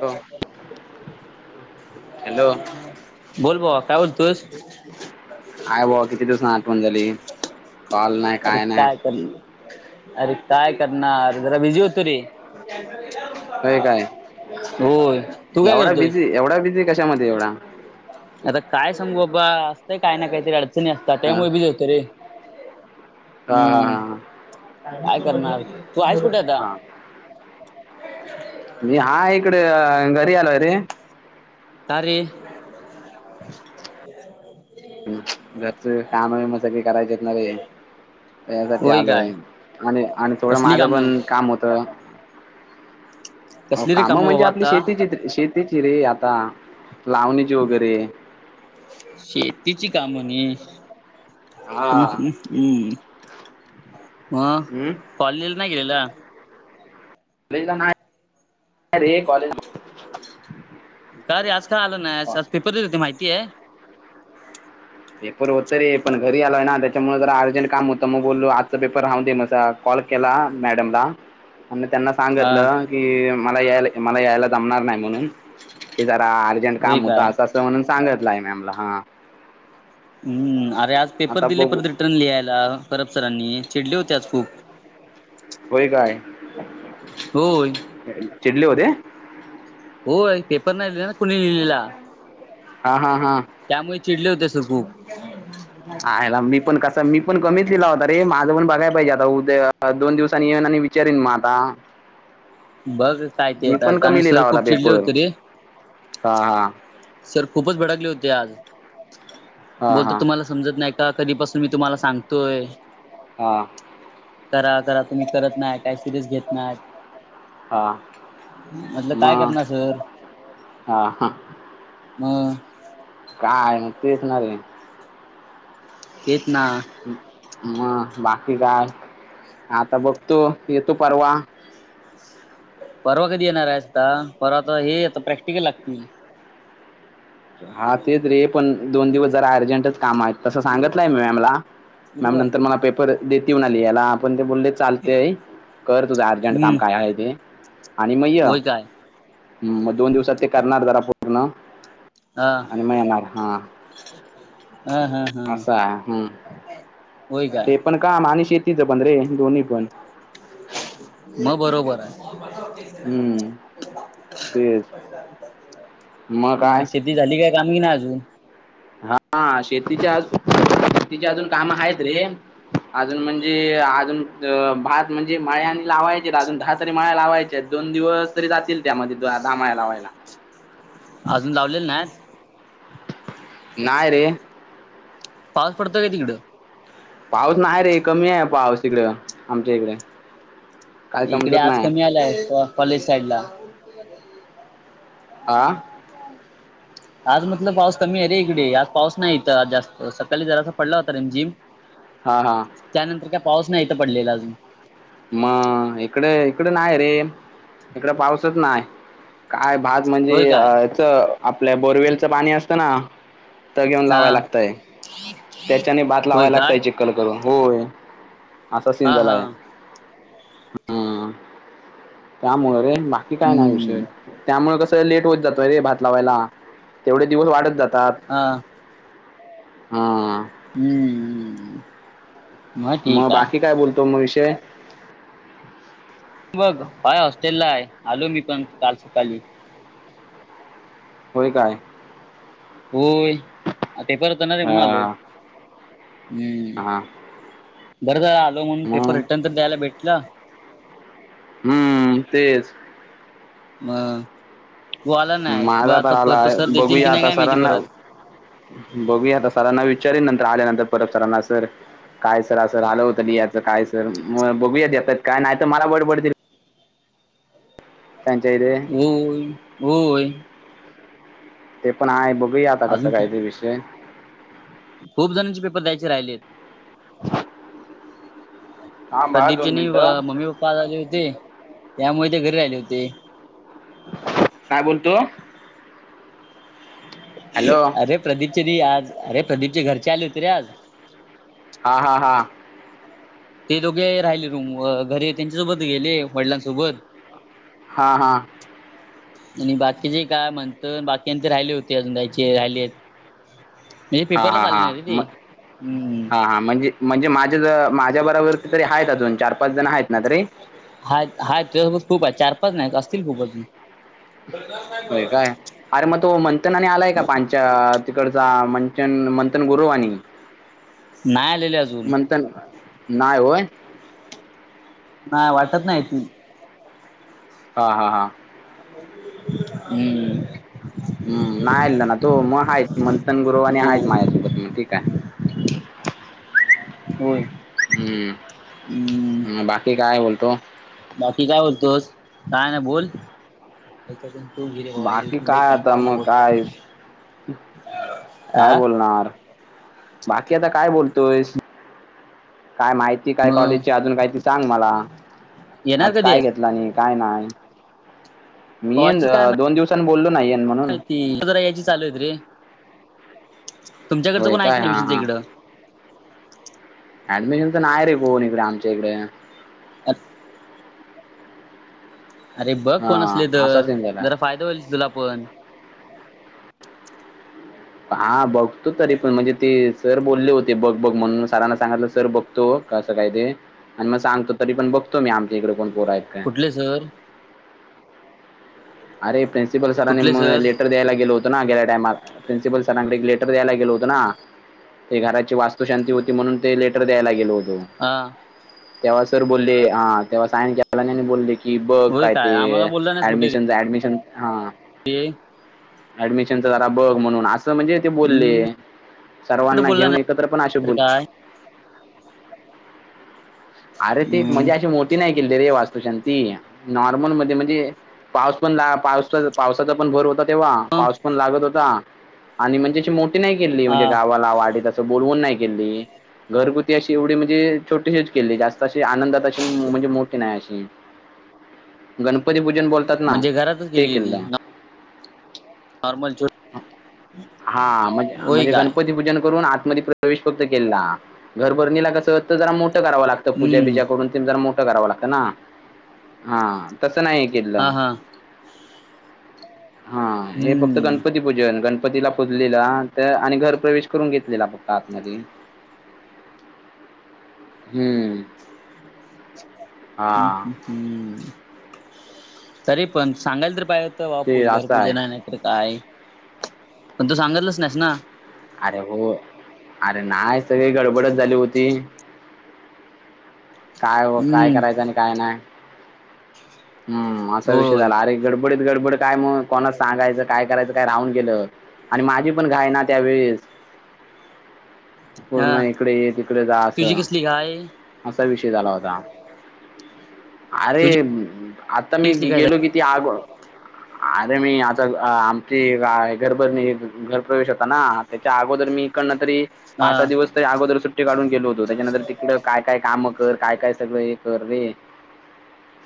Hello hello बोल भावा काय बोलतोस? आहेय भावा किती दिवस ना आठवण झाली कॉल नाही काय नाही? ह [unintelligible] अरे काय करणार? जरा बिझी होतो रे. होय काय होय तू काय एवढा करतोय? बिझी एवढा बिझी कशामध्ये एवढा आता काय सांगू बाबा असतय काय ना काहीतरी अडचणी असतात हा त्यामुळे बीझी होतो. तरी हा हा करणार तू आहेस कुठे आता हा मी हाय इकडे घरी आलोय रे. कारे? घरची काम विम सगळी करायचे आहेतणारे हे यासाठी होय आलोय काय आणि आणि थोडं कसली माझं कामं पण काम होतं कसली रे काम कामं म्हणजे बाबा आपली आता शेतीची शेतीची रे आता लावणीची वगैरे शेतीची कामं न हा हं हं हं मग हम्म कॉलेजला नाही गेला. कॉलेज नाही रे कॉलेज का रे आज काय आलं ना आज पेपर देत हो ते माहिती आहे? पेपर होतं रे पण घरी आलाय ना त्याच्यामुळे जरा अर्जंट काम होतं मग बोललो आजचा पेपर हाव दे मसा कॉल केला मॅडमला आणि त्यांना हा सांगितलं की मला यायला मला यायला जमणार नाही म्हणून क जरा ट होय काम होता काय अस असं म्हणून सांगतला मॅमला हा हं अरे आज पेपर आता दिले बघू परत रिटर्न लिहायला करब सरांनी चिडले होते आज खूप होय काय? होय चिडले होते. हो पेपर नाही लिहिले ना कुणी लिहिलेला हा हा हा त्यामुळे चिडले होते सर खूप आयला मी पण कस मी पण कमीच लिहिला होता रे माझं पण बघाय पाहिजे आता उद्या दोन दिवसांनी येऊन आणि चरन माता [unintelligible] [inaudible] बघ काय ते येत कारण कमी लिहिला सर होता खूप चिडले पेपर होते रे. हा हा सर खूपच भडकले होते. आज हा बोलत हा तुम्हाला समजत नाही का? कधीपासून मी तुम्हाला सांगतोय. हां करा करा तुम्ही करत नाही काय? सिरियस घेत नाहीत? हा म्हटलं काय मग करणार सर? हा हा मग काय मग तेचणारे आहे तेच ना म बाकी काय आता बघतो येतो परवा परवा कधी येणार आहेसता परवा तर हे त प्रॅक्टिकल लागतील हा तेच रे पण दोन दिवस जरा अर्जंटच काम तसं सांगितलंय मी मॅमला मॅम सुरू आहे नंतर मला पेपर देत येऊन आली याला आपण ते बोललेत चालते कर तुझा अर्जंट काम हम्म काय आहे ते आणि मग य होय काय ह मग दोन दिवसात ते करणार जरा पूर्ण हा. आणि मग येणार हा हा हा हा असं आहे हं होय काय ते पण काम आणि शेतीचं पण रे दोन्ही पण मग बरोबर आहे मग हं. तेच मग काय शेती शेतीतील झाली काय काम की नाही अजून हा शेतीच्याज शेतीच्या अजून काम आहेत रे अजून म्हणजे अजून अ भात म्हणजे माळ्यान आणि लावायचे अजून दहा तरी माळ्या लावायच्यात. दोन दिवस तरी जातील त्यामध्ये [unintelligible] लावायला. अजून लावलेले नायेस. नाय रे. पाऊ पडतो काय तिकडं पाऊस नाही रे कमीय पाऊस तिकड आमच्या इकड. इकडे आज कमी आलाय कॉलेज साईड ला. आा आज मटलं पाऊस कमी आहे रे इकडे आज पाऊस नाही तर आज जास्त सकाली जरासा पडला होता रीम जिम. [unintelligible] हा हा त्यानंतर काय पाऊस नाही तर पडलेला अजून. मग इकड इकड नाय रे इकड पाऊसच नाय. काय भात होय म्हणजे काय च आपल्या बोरवेलचं पाणी असतं ना. त घेऊन हा लावाय लागतय त्याच्याने भात होय लावाय काय लागतयची. कल करू होय असा सीन हा हा झालाय. त्यामुळ रे बाकी काय नाय विषय. हम्म त्यामुळ कसं लेट होत जातोय रे भात लावायला तेवढे दिवस वाढत जातात. हा हा हम्म मग ठीक बाकी आहे काय बोलतो म विषय बघ [unintelligible] हॉस्टेल ला हाय आलो मी पण काल सकाळी. होय काय? होय आ पेपर होतना रे म्हनून आलो हा हम्म हा बरं तर आलो म्हणून पेपर मग रिटर्न तर द्यायला भेटल. हम्म तेच. म वो आला नाय ब माझा तर आता आलाय सर देतील की बघूया नाही आता काय माहिती सरांना परत. बघूया आता सरांना विचारीन नंतर आल्यानंतर परत सरांना सर. काय सर असं आलं होत मी याचं काय सर म बघूया आता काय नाही तर मला बडबडतील. त्यांच्या रे होय होय ते पण हाय बघूया आता कसं अजून काय ते विषय खूप जणांचे पेपर द्यायचे राहिलेत. [unintelligible] थांबा प्रदीपचे दोन नी मिनिटं मम्मी पप्पा आले होते त्यामुळे ते घरी राहिले होते. काय बोलतो. हॅलो अरे प्रदीपचे रे आज अरे प्रदीप चे घरचे आले होते रे आज. हा हा हा ते दोघे राहिले रूम घरी त्यांच्यासोबत गेले वडिलांसोबत हा हा आणि बाकीचे काय म्हणत बाकीन ते राहिले होते अजून दयचे राहिले आहेत. म्हणजे हा पेपरलाच हा आले हा नाही रे ते म हम्म. हा हा म्हणजे म्हणजे माझ्या ज माझ्या बराबर तरी आहेत अजून चार पाच जण आहेत ना तरी. हायत हाय तुझ्यासोबत खूप आहेत चार पाच नाय असतील खूपच. होय काय अरे मग तो मंथन आणि आलाय का पा तिकडचा मंचन मंथन गुरुव आणि नाही आलेले अजून मणंत नाहीय होय. नाही वाटत नाही ती हा हा हा हम्म. हम् नाही आलना तो मग आहे. मंथन गुरुवारी आणि हो आहेत माझ्यासोबत मग ठीक आहे. [unintelligible] होय. हम्म ह बाकी काय बोलतो? बाकी काय बोलतोस? काय नाही बोल. याच्यातून तू गिले बाबा बाकी लय काय आता कंटाळवाणा मग बोलत. काय काय बोलणार. बाकी आता काय बोलतोयस. काय माहित ती काय मग कॉलेजची अजून काय ती सांग मला, येणार आज कधी काय आहेस घेतला नाही. काय नाही. मी येन दोन दिवसांनी बोललो नाही येईन म्हणून. ते जरा याची चालू आहेत रे. तुमच्याकडचं होय कोण आहे की काय नाही हा मिशीनच्या हा इकडं? ऍडमिशन तर नाही रे कोण इकडं आमच्या इकडं. अ [unintelligible] अरे बघ कोण हा असले असा तर, सीन झालाय जरा फायदा होईल तुला पण. हा बघतो तरी पण म्हणजे, ते सर बोलले होते. बघ बघ म्हणून सरांना सांगितलं. सर बघतो कसं काय ते आणि मग सांगतो. तरी पण बघतो मी. आमच्याइकडं कोण पोर आहेत का. कुठले सर? अरे प्रिन्सिपल सर ना मग लेटर द्यायला गेलो होतो. ना गेल्या टायमाला प्रिन्सिपल सरांकडे लेटर द्यायला गेलो होतो ना. ते घराची वास्तु शांती होती म्हणून ते लेटर द्यायला गेलो होतो. हा तेव्हा सर बोलले. हा तेव्हा साईन केला नाही बोलले की, कि बघ होय काय आम्हाला ते ऍडमिशन ऍडमिशन हा ते ऍडमिशनच जरा बघ म्हणून असं म्हणजे ते बोलले, हम्म कुठे सर्वांना बोलला घेऊन ना एकत्र पण असे तर बोल काय अरे ते हम्म म्हणजे अशी मोठी नाही केलती रे वास्तुशांती नॉर्मल मध्ये म्हणजे, पाऊस पण हा पाऊस पावसाचा पण भर होता. तेव्हा पाऊस पण लागत होता. आणि म्हणजे अशी मोठी नाही केली हा म्हणजे गावाला वाडीला बोलवून नाही केली. घरगुती अशी एवढी म्हणजे छोटीशी केली. जास्त अशी आनंदात अशी म्हणजे मोठी नाही अशी गणपती पूजन बोल तात ना म्हणजे घरातच ते केल. केलेली नॉर्मल छो हा म्हणजे होय म्हणजे काय गणपती पूजन करून आतमध्ये परत प्रवेश फक्त केला. घरभरणीला कसं होत जरा मोठं करावं लागतं. पूजा हम्म बीजा करुन तेन जरा मो ठ कराव लागत ना. हा तसं नाही केल. हा हा हा हे फ तो हम्म गणपती पूजन. गणपतीला पूजलेला आत आणि घर प्रवेश करून घेतलेला फक्त आतमध्ये हम्म. हा हम् हम् हम् तरी पण सांगायला तरी पाहिजेत. तवा ते फूल घर असं पूजन आहे. नाहीतर काय पण तू सांगितलंच नाहीस ना. अरे हो. अरे नाही सगळी गडबडत झाली होती. काय काय हम्म करायचं आणि काय नाही हम्म असा विषय होय झाला अरे गडब बडीत गडबड काय कोणा सांगायचं. काय करायंच काय राहून गेलं. आणि माझी पण घाय ना त्यावेळेस, पूर्ण हा इकडे ये तिकडे जा तुझी असं. कसली काय असा विषय झाला होता. अरे तुझी आता मी कसली काय गेलो कि, ती आग अरे मी आता आमची घरबर घरप्रवेश होता ना. त्याच्या अगोदर मी इकडन तरी हा पाच सहा दिवस अगोदर सुट्टी काढून गेलो होतो, त्याच्यानंतर तिकडं काय-काय काम कर, काय-काय सगळं हे कर रे-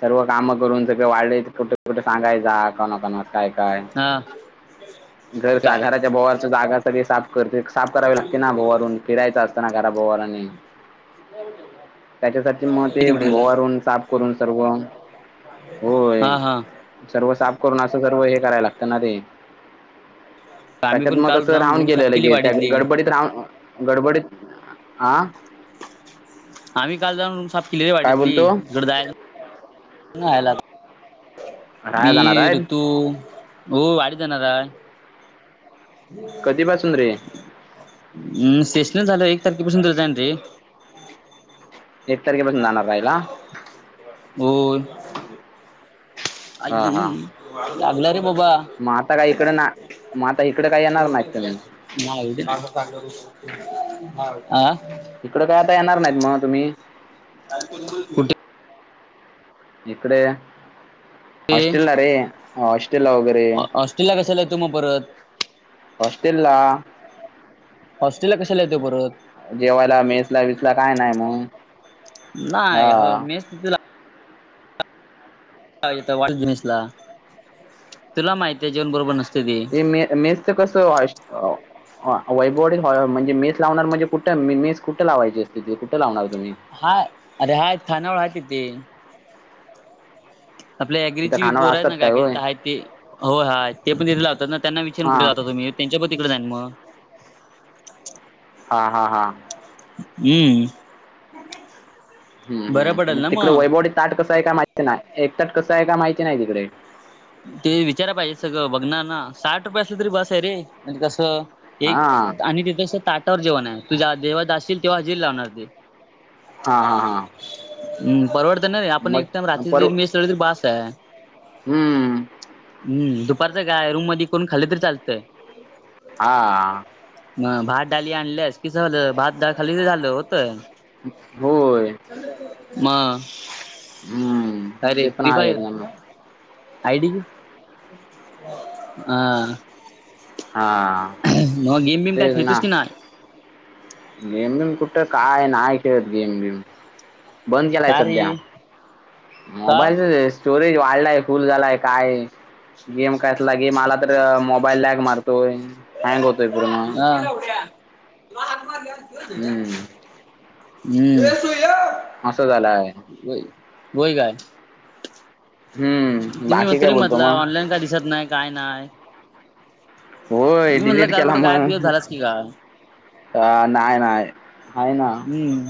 सर्व कामं करून सगळे वाळलय कुठे कुठे सांगायचा. कणा-कणाच काय- काय हा घर काय घराच्या भोवरच्या जागा सगळी साफ करते. साफ करावी लागते ना भोववरून, किडा येत असतना घरा भोवारने. त्याच्यासाठी मग ते किती कुठे गेला भोवारून साफ करून सर्व, होय. हा हा सर्व साफ करून असं वैर करायला लागतं ना रे. आम्ही त्याच्यात पण मग काल कसं जाऊन राहून रूम साफ गेलं केली लगेच, त्या वाडीतली गडबडीत राहून- गडबडीत आ.. - आम्ही काल जाऊन साफ केली काय वाडीतली, बोलतो तिकडं जायचं राहायला- राहायला जाणार मी, आहेत ऋतू हो वाडीत जाणार हाय. कधीपासून रे हम् सेश्नल झालंय एक तारखेपासून तर रिजाईन दे. एक तारखेपासून जाणार राहायला? बोल [unintelligible] आई हां गी हां लागला रे बाबा. पण मग आता इकडं काय येणार नाहीत तुम्ही. [inaudible] इकडं काय आता येणार नाहीत मग तुम्ही? कुठे? इकडे, कुठे हॉस्टेला रे हॉस्टेलला वगैरे- हॉस्टेलला कशाला येतो मग परत. हॉस्टेलला. हॉस्टेला कशाला येतो परत. जेवायला, मेसला, विसला काय नाही मग? नाही हां मेस तिथं ला- का येत नाही मेसला, तुला माहिती आहे जेवण बरोबर नसते ते. मे मेसच कसं वा [unintelligible] वैभववाडी म्हणजे, मेस लावणार म्हणजे कुठं मेस कुठं लावायची असते ती, कुठं लावणार तुम्ही? हाय, अरे हाय थानावळ आहे तिथे. आपल्या तिथं ॲग्रीची खानावळ पोर आहेत असतात ना, काय काय-काय होय? आहेत ती- होय, हा ते पण दिले लावतात ना त्यांना विचार कठे हां लावता तुम्ही त्यांच्या पण तिकडं जाईन मग [unintelligible] हा, हा, हा. हम्म. हं, बरं हं, पडेल मग ना तिकडे वैभववाडीत ताट कसं आहे का माहिती नाही, एक ताट कसं आहे का माहिती नाही तिकडे? ते विचारा पाहिजे सगळं बघणार ना, साठ रुपया असलं तरी बास आहे रे म्हणजे कसं- एक हां आणि तिथस ताटावर जेवण आहे, तुझ्या देवा जाशील तेव्हा हजेरी लावणार ते. हा, हा, हा. हम्. परवडत ना आपण एकटाइम मग रात्री जर मेस लावली तर बास आहे. हम्म. हम्म. दुपारचं काय रूम मध्ये करून खाल्ल तरी चालतंय. हा. मग भात डाली आणल्यास किस झालं, भात डाळ खालीच झालं होतं. होय. म. हम्म. काय रे, फ्री फायर, आयडी ह.. हा.. म गेम बेम का खेळतोस की नाही? गेम बिम कुठं काय नाय खेळत गेम बिम. बंद केलाय का रे सध्या का मोबाईलच - स्टोरेज वाढलाय फुल झालाय, काय गेम कसला गेम आला तर मोबाईल लॅग मार- तो म के हम्म [inaudible] हम्म असं झालंय वई काय हम्म तुम्ही बाकी काय तरी बोलतो म्हटलं मग ऑनलाईन काय दिसत नाही काय नाही होय मी म्हटलं डिलीट केला घरकुठं काय बि मग झालास की का अ नाही ना आहे ना हम्म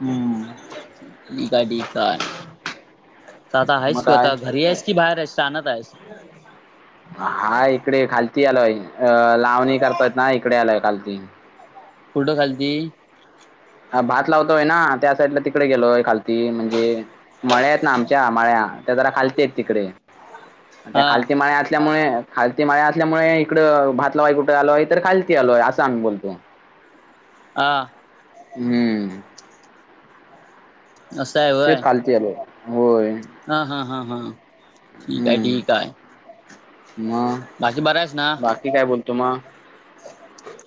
हम्म ठी काय ठीकय तर आता मग आहेस क काय आता घरी आहेस की बाहेर आहेस चाणत आहेस हा इकडे खालती आलोय अ लावणी करताय ना इकडे आलोय खालती कुडो खालती अ भात लावतोय ना त्या साईडला तिकडे गेलोय खालती म्हणजे माळ्या आहेत ना आमच्या माळ्या त्या जरा खालत आहेत तिकडे त्या हा खालती माळ असल्यामुळे खालती माळ असल्यामुळे इकडं भातलावाई कुठं आलोय तर खालती आलोय असं आम्ही बोलतो हं हम्म असं आहे होय तेच खालती आल होय हा हा हा हा ठीक आहे हम्म ठीक बाकी बरं आहेस ना ते काय बोलतु मग ह